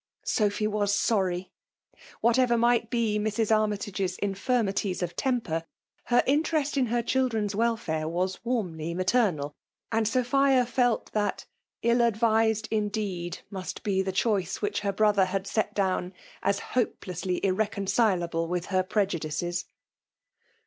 Soph j was sorry ! Whatever might be Mrs. Armytage's ii^ac^ mities of temper, her interest in her children's welfare was warmly maternal ; and Sophia felt fliat ill advised indeed must be the choice which her brother had set down as hopelessly irrecon^ cileable with her prejudices.